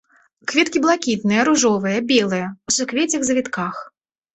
Кветкі блакітныя, ружовыя, белыя, у суквеццях-завітках.